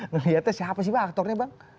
melihatnya siapa sih bang aktornya bang